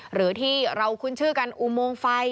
หรือที่เราคุ้นชื่อกันอุโมงไฟ